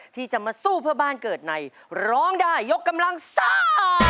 ที่จะมาสู้เพื่อบ้านเกิดในร้องได้ยกกำลังซ่า